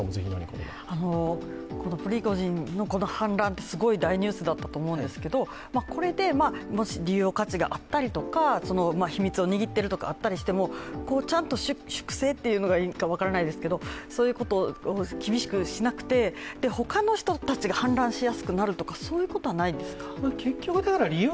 このプリゴジンの反乱ってすごい大ニュースだったと思うんですけれども、これでもし利用価値があったりとか、秘密を握っているとかあったりしても、ちゃんと粛正というのがいいか分からないですけど、そういうことを厳しくしなくて他の人たちが反乱しやすくなるというか、そういうことはないんですか？